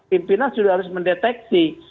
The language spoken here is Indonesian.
pimpinan sudah harus mendeteksi